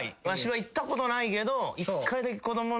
わしは行ったことないけど一回だけ。